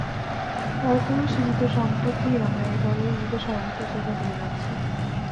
তার পরও সীমিত সম্পদ দিয়ে আমরা এবারের ঈদে সর্বোচ্চ সেবা দিয়ে যাচ্ছি।